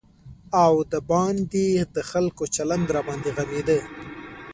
او د باندې د خلکو چلند راباندې غمېده.